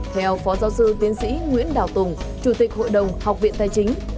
theo phó giáo sư tiến sĩ nguyễn đào tùng chủ tịch hội đồng học viện tài chính